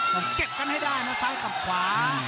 เก็บกันให้ได้นะซ้ายกับขวา